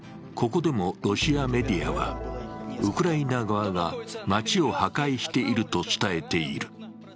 ここでもロシアメディアは、ウクライナ側が街を破壊していると伝えている。